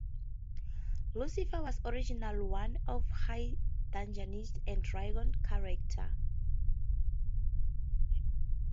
Lusiphur was originally one of Hayes' Dungeons and Dragons characters.